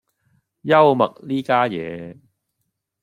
幽默呢家嘢